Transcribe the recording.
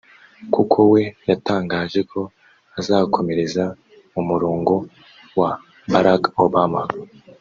kuko we yatangaje ko azakomereza mu murongo wa Barack Obama